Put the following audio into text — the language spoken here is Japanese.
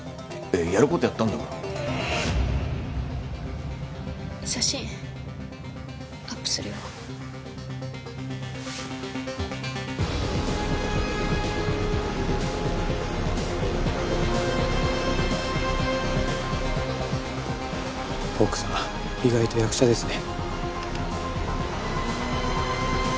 やることやったんだから写真アップするようん奥さん意外と役者ですね